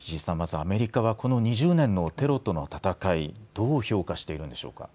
アメリカはこの２０年のテロとの戦いをどう評価しているんでしょうか。